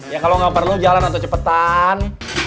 ya kalau nggak perlu jalan atau cepetan